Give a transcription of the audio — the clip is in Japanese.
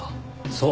そう。